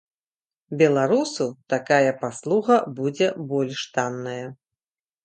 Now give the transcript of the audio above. Беларусу такая паслуга будзе больш танная.